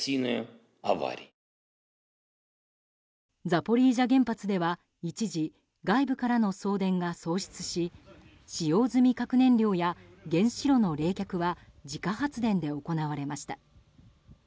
ザポリージャ原発では一時、外部からの送電が喪失し使用済み核燃料や原子炉の冷却は自家発電で行われました。